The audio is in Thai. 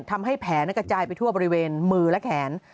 ทำให้แผลกระจายไปทั่วบริเวณมือและแขน